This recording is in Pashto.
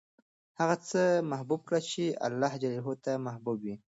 هغه څه محبوب کړه چې اللهﷻ ته محبوب وي.